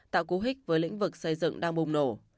tạo cú hích với lĩnh vực xây dựng đang bùng nổ